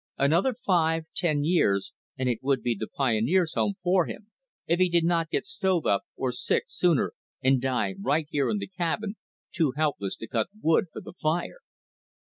Another five, ten, years and it would be the Pioneers' Home for him if he did not get stove up or sick sooner and die right here in the cabin, too helpless to cut wood for the fire.